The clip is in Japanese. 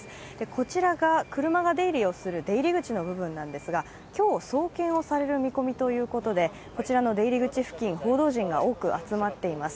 こちらが車が出入りをする出入り口の部分なんですが今日、送検をされる見込みということで、こちらの出入り口付近、報道陣が多く集まっています。